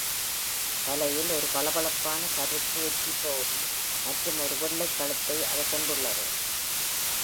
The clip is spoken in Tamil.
தலையில் ஒரு பளபளப்பான கருப்பு உச்சிப்பகுதி மற்றும் ஒரு வெள்ளைக் கழுத்தை அது கொண்டுள்ளது.